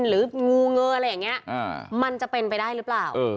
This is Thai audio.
หรืองูเงออะไรอย่างนี้มันจะเป็นไปได้หรือเปล่า